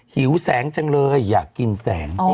หิวแสงจังเลยอยากกินแสง